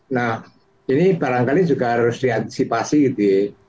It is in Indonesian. nah ini barangkali juga harus diantisipasi gitu ya